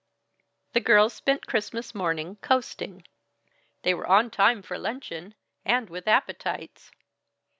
The girls spent Christmas morning coasting. They were on time for luncheon and with appetites!